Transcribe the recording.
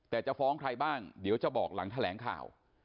แต่จะฟ้องใครบ้างเดี๋ยวจะบอกหลังแถลงข่าว